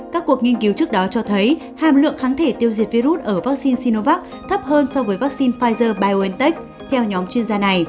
các cuộc nghiên cứu trước đó cho thấy hàm lượng kháng thể tiêu diệt virus ở vaccine sinovac thấp hơn so với vaccine pfizer biontech theo nhóm chuyên gia này